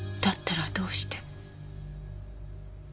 だったらどうして。